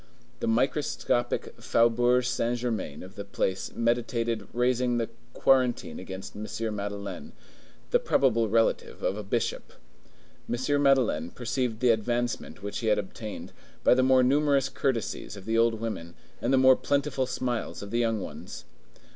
The microscopic Faubourg Saint Germain of the place meditated raising the quarantine against M. Madeleine, the probable relative of a bishop. M. Madeleine perceived the advancement which he had obtained, by the more numerous courtesies of the old women and the more plentiful smiles of the young ones.